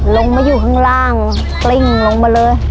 ลงมาอยู่ข้างล่างกลิ้งลงมาเลย